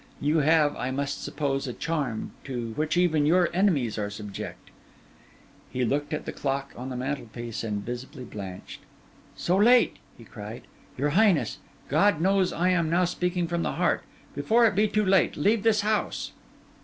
You have, I must suppose, a charm, to which even your enemies are subject.' He looked at the clock on the mantelpiece and visibly blanched. 'So late!' he cried. 'Your highness—God knows I am now speaking from the heart—before it be too late, leave this house!